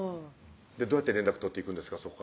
どうやって連絡取っていくんですか？